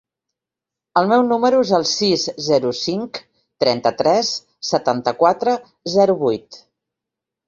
El meu número es el sis, zero, cinc, trenta-tres, setanta-quatre, zero, vuit.